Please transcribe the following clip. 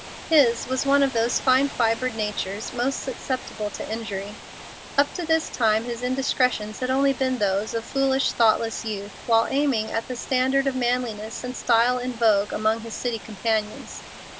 His was one of those fine fibred natures most susceptible to injury. Up to this time his indiscretions had only been those of foolish, thoughtless youth, while aiming at the standard of manliness and style in vogue among his city companions.